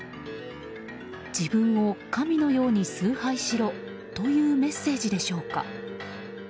自分を神のように崇拝しろというメッセージでしょうか。